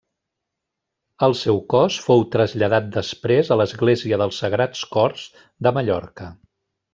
El seu cos fou traslladat després a l'església dels Sagrats Cors de Mallorca.